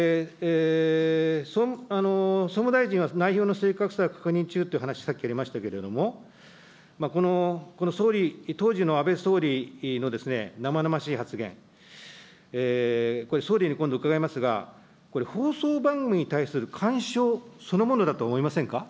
総務大臣は内容の正確さを確認中って話、さっきありましたけれども、当時の安倍総理の生々しい発言、これ、総理に今度伺いますが、これ放送番組に対する干渉そのものだと思いませんか。